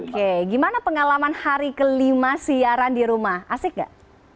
oke gimana pengalaman hari kelima siaran di rumah asik gak